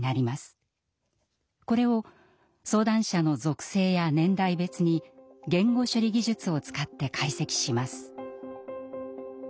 これを相談者の属性や年代別に言語処理技術を使って解析します。